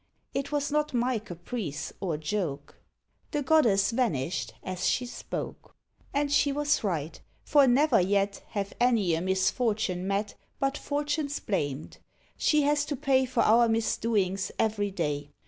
It was not my caprice or joke." The goddess vanished as she spoke. And she was right; for never yet Have any a misfortune met, But Fortune's blamed: she has to pay For our misdoings every day.